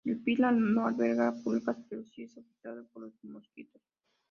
El Pila no alberga pulgas pero sí es afectado por los mosquitos.